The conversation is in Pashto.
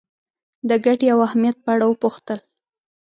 د ګټې او اهمیت په اړه وپوښتل.